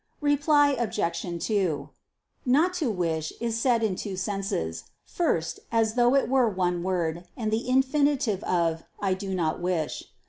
Reply Obj. 2: "Not to wish" is said in two senses. First, as though it were one word, and the infinitive of "I do not wish."